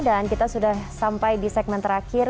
dan kita sudah sampai di segmen terakhir